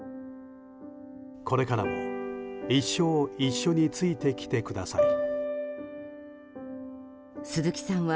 これからも一生一緒についてきてください。